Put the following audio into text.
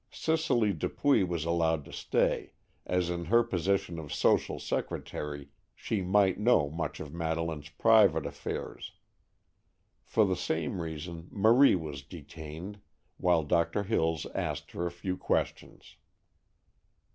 Cicely Dupuy was allowed to stay, as in her position of social secretary she might know much of Madeleine's private affairs. For the same reason Marie was detained, while Doctor Hills asked her a few questions.